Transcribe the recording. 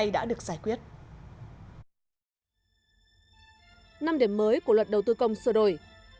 năm điểm mới của luật đầu tư công sửa đổi